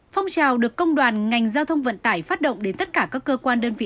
phong trào được công đoàn ngành giao thông vận tải phát động đến tất cả các cơ quan đơn vị